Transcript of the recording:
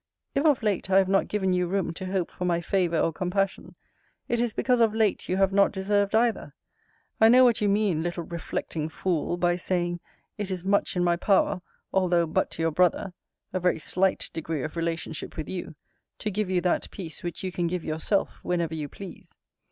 If of late I have not given you room to hope for my favour or compassion, it is because of late you have not deserved either. I know what you mean, little reflecting fool, by saying, it is much in my power, although but your brother, (a very slight degree of relationship with you,) to give you that peace which you can give yourself whenever you please.